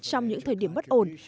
trong những thời điểm bất ổn